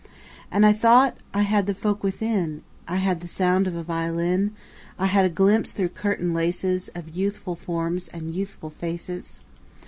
And I thought I had the folk within: I had the sound of a violin; I had a glimpse through curtain laces Of youthful forms and youthful faces.